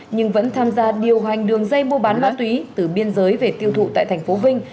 nhưng vẫn tham gia điều hành đường dây mua bán ma túy từ biên giới về tiêu thụ tại tp vinh